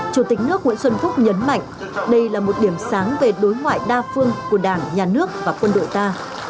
chủ tịch nước nguyễn xuân phúc nhấn mạnh đây là một điểm sáng về đối ngoại đa phương của đảng nhà nước và quân đội ta